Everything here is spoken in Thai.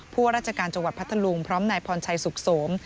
ว่าราชการจังหวัดพัทธลุงพร้อมนายพรชัยสุขสม